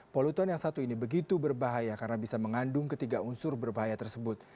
polutan yang satu ini begitu berbahaya karena bisa mengandung ketiga unsur berbahaya tersebut